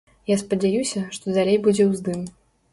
Я спадзяюся, што далей будзе ўздым.